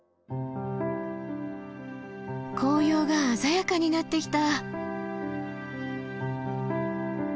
紅葉が鮮やかになってきた。